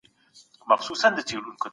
درس شروع سو.